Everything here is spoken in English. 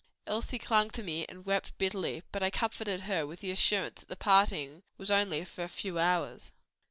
Elsie clung to me and wept bitterly; but I comforted her with the assurance that the parting was only for a few hours."